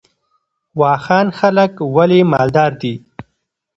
واخان خلک ولې مالدار دي؟